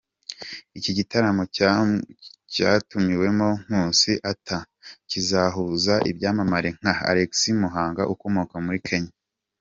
Iki gitaramo cyatumiwemo Nkusi Arthur, kizahuza ibyamamare nka Alex Muhanga ukomoka muri Kenya.